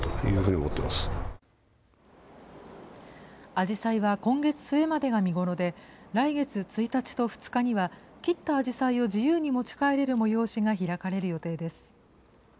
アジサイは今月末までが見頃で、来月１日と２日には、切ったアジサイを自由に持ち帰れる催しが開かれる予定です。